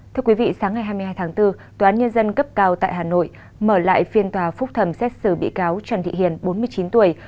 thưa quý vị sáng ngày hai mươi hai tháng bốn tòa án nhân dân cấp cao tại hà nội mở lại phiên tòa phúc thẩm xét xử bị cáo trần thị hiền bốn mươi chín tuổi